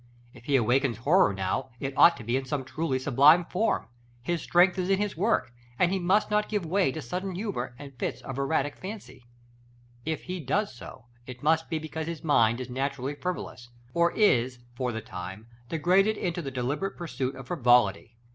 If he awakens horror now, it ought to be in some truly sublime form. His strength is in his work; and he must not give way to sudden humor, and fits of erratic fancy. If he does so, it must be because his mind is naturally frivolous, or is for the time degraded into the deliberate pursuit of frivolity.